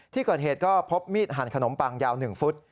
ที่เกิดเหตุก็พบมีดหั่นขนมปังยาว๑ฟุต